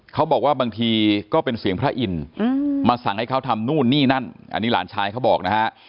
เขาบอกว่าบางทีก็เป็นเสียงพระอินทร์มาสั่งให้เขาทำนู่นนี่นั่นอันนี้หลานชายเขาบอกนะฮะ